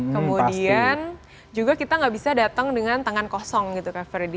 kemudian juga kita nggak bisa datang dengan tangan kosong gitu kak freddy